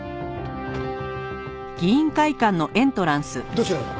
どちらに？